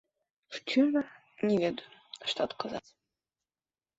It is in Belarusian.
Шчыра, не ведаю, што адказаць.